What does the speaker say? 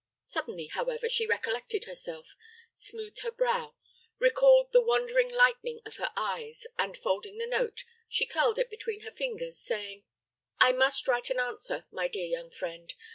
Suddenly, however, she recollected herself, smoothed her brow, recalled the wandering lightning of her eyes and folding the note, she curled it between her fingers, saying, "I must write an answer, my dear young friend.